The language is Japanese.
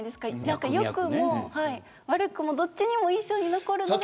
良くも悪くもどっちにも印象に残るのが。